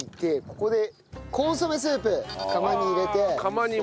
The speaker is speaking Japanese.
ここでコンソメスープ釜に入れて。